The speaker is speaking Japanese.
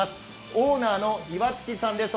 オーナーの岩月さんです。